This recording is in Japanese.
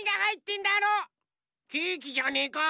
ケーキじゃねえか？